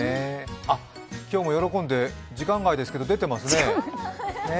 あ、今日も喜んで、時間外ですけど、出てますね。